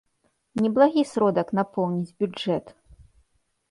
Неблагі сродак напоўніць бюджэт!